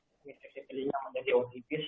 menginfeksi telinga menjadi otitis